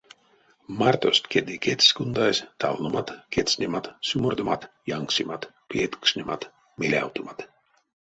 Мартост кедте кедьс кундазь талномат, кецнемат, сюмордомат, янксемат, пеедькшнемат, мелявтомат.